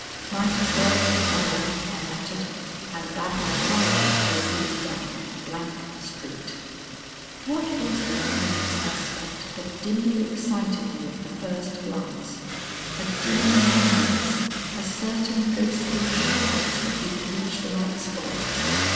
"Might as well be thorough," I muttered, and bade my driver proceed down Street. What was there in its aspect that dimly excited me at the first glance? A dim remembrance, a certain ghostly assurance that we had reached the right spot?